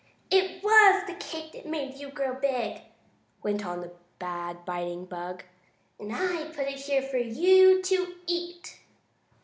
"It was the cake that made you grow big," went on the bad biting bug, "and I put it here for you to eat."